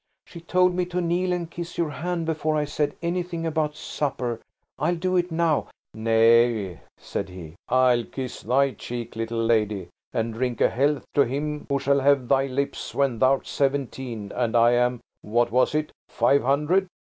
She told me to kneel and kiss your hand before I said anything about supper. I'll do it now." "Nay," said he, "I'll kiss thy cheek, little lady, and drink a health to him who shall have thy lips when thou'rt seventeen and I am–what was it–five hundred?"